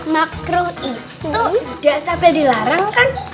makruh itu tidak sampai dilarang kan